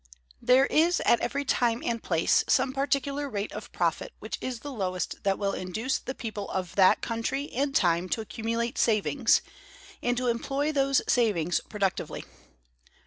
There is at every time and place some particular rate of profit which is the lowest that will induce the people of that country and time to accumulate savings, and to employ those savings productively.